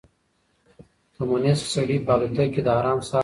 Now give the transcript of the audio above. کمونيسټ سړي په الوتکه کې د ارام ساه واخيسته.